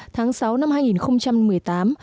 tháng sáu năm hai nghìn một mươi tám